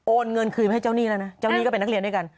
เงินคืนมาให้เจ้าหนี้แล้วนะเจ้าหนี้ก็เป็นนักเรียนด้วยกัน